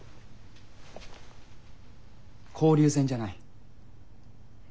交流戦じゃない。